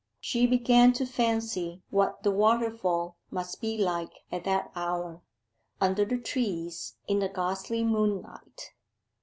She began to fancy what the waterfall must be like at that hour, under the trees in the ghostly moonlight.